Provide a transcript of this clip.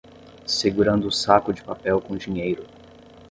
Segurando o saco de papel com dinheiro